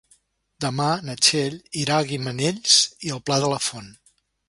Demà na Txell irà a Gimenells i el Pla de la Font.